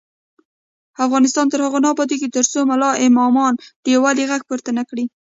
افغانستان تر هغو نه ابادیږي، ترڅو ملا امامان د یووالي غږ پورته نکړي.